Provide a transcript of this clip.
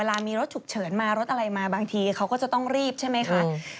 และต่อไปคงไม่ต้องต้มน้ำมัน